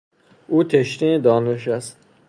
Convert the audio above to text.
او تشنهی دانش است.